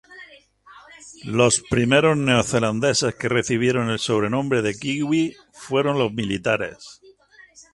Los primeros neozelandeses que recibieron el sobrenombre de "kiwi" fueron los militares.